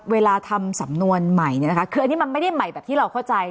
เวลาทำสำนวนใหม่เนี่ยนะคะคืออันนี้มันไม่ได้ใหม่แบบที่เราเข้าใจ